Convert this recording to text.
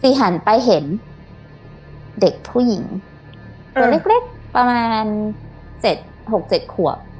จี๊หันไปเห็นเด็กผู้หญิงตัวเล็กเล็กประมาณเจ็ดหกเจ็ดขัว